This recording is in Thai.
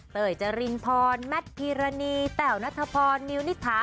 เตยเจอริงพรแมทพีราณีแป๋วณฑพรนิวนิสทัศน์